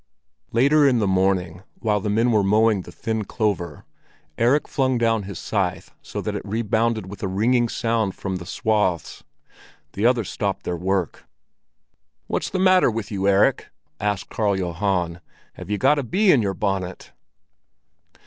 Later in the morning, while the men were mowing the thin clover, Erik flung down his scythe so that it rebounded with a ringing sound from the swaths. The others stopped their work. "What's the matter with you, Erik?" asked Karl Johan. "Have you got a bee in your bonnet?"